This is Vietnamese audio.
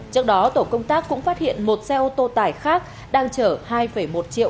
trước đó tổ công tác cũng phát hiện một xe ô tô tải khác đang chở hai một triệu